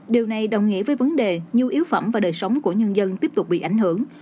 điều này đồng nghĩa với vấn đề nhu yếu phẩm và đời sống của nhân dân tiếp tục bị ảnh hưởng